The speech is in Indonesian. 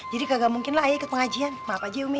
jadi kagak mungkin lah ae ikut pengajian maaf aja ya umi